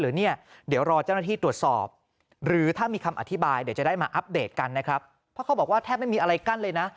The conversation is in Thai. หรือเนี่ยเดี๋ยวรอเจ้าหน้าที่ตรวจสอบหรือถ้ามีคำอธิบายเดี๋ยวจะได้มาอัปเดตกันนะครับเพราะเขาบอกว่าแทบไม่มีอะไรกั้นเลยนะ